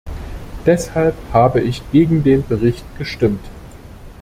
Deshalb habe ich gegen den Bericht gestimmt.